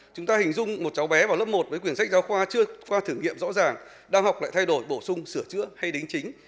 chúng ta hình dung một cháu bé vào lớp một với quyển sách giáo khoa chưa qua thử nghiệm rõ ràng đang học lại thay đổi bổ sung sửa chữa hay đính chính